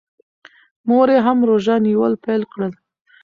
مور یې هم روژه نیول پیل کړل.